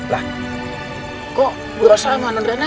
lah kok berasa sama anand rana